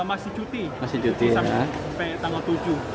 masih cuti sampai tanggal tujuh